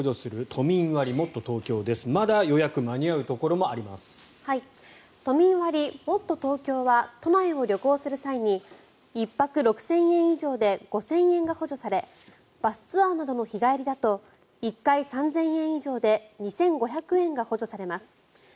都民割もっとＴｏｋｙｏは都内を旅行する際に１泊６０００円以上で５０００円が補助されバスツアーなどの日帰りだと１回３０００円以上で２５００円が補助されます。